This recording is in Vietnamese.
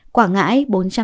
quảng ngãi bốn trăm sáu mươi ba